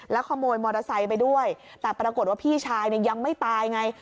ขโมยมอเตอร์ไซค์ไปด้วยแต่ปรากฏว่าพี่ชายเนี่ยยังไม่ตายไง